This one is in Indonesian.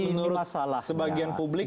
menurut sebagian publik ini